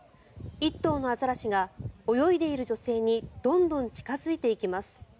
１頭のアザラシが泳いでいる女性にどんどん近付いていきます。